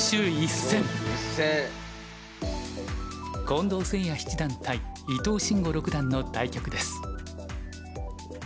近藤誠也七段対伊藤真吾六段の対局です。